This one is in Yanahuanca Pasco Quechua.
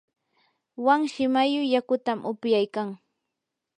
wanshi mayu yakutam upyaykan.